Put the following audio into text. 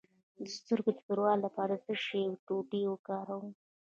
د سترګو د توروالي لپاره د څه شي ټوټې وکاروم؟